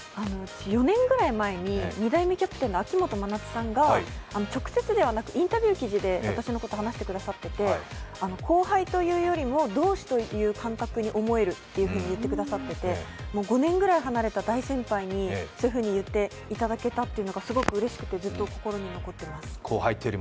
４年ぐらい前に２代目キャプテンの秋元さんが直接ではなく、インタビュー記事で私のことを話してくださっていて、後輩というよりも同志という感覚に思えると言ってくださっていて５年ぐらい離れた大先輩にそういうふうに言ってもらえたということが、ずっと心に残っています。